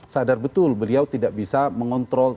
sadar betul beliau tidak bisa mengontrol